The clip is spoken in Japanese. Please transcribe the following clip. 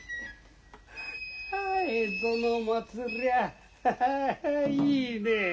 あ江戸の祭りはハハハいいねえ！